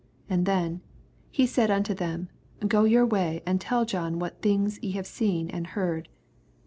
And then, " He said unto them, Go your way, and tell John what things ye have seen and heard."